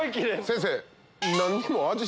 先生。